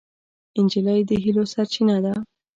نجلۍ د هیلو سرچینه ده.